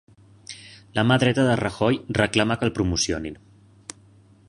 La mà dreta de Rajoy reclama que el promocionin